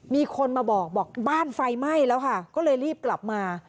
มีคนมาบอกบอกบ้านไฟไหม้แล้วค่ะก็เลยรีบกลับมา